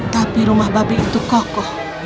tapi rumah babi itu kokoh